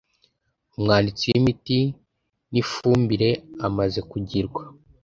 Umwanditsi w imiti n ifumbire amaze kugirwa